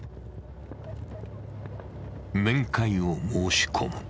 面会を申し込む。